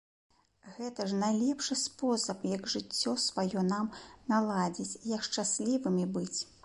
Гэта ж найлепшы спосаб, як жыццё сваё нам наладзіць, як шчаслівымі быць.